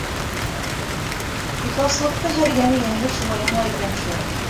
Ихласлыҡты һәр йән эйәһе аңлай икән шул.